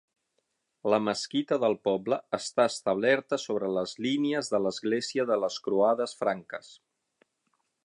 La mesquita del poble està establerta sobre les línies de l'església de les croades franques.